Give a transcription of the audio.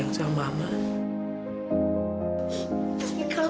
kalau kamu mau pergi mama akan ikut sama kamu